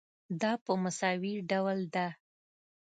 دا په مساوي ډول ده.